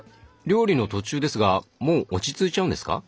料理の途中ですがもう落ち着いちゃうんですか？